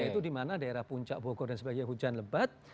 itu dimana daerah puncak bogor dan sebagian hujan lebat